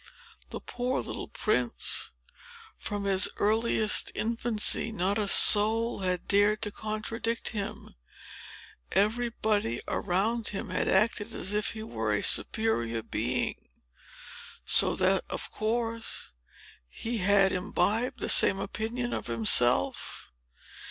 The poor little prince! From his earliest infancy not a soul had dared to contradict him; everybody around him had acted as if he were a superior being; so that, of course, he had imbibed the same opinion of himself.